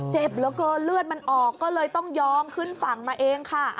เจ็บเหลือเกินเลือดมันออกก็เลยต้องยอมขึ้นฝั่งมาเองค่ะ